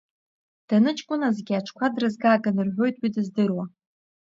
Даныҷкәыназгьы аҽқәа дрызгаган рҳәоит уи дыздыруа.